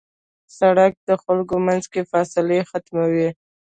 سړک د خلکو منځ کې فاصله ختموي.